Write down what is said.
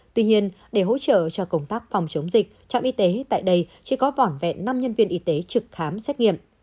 tuy nhiên để hỗ trợ cho công tác phòng chống dịch trạm y tế tại đây chỉ có vỏn vẹn năm nhân viên y tế trực khám xét nghiệm